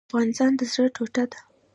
افغانستان د زړه ټوټه ده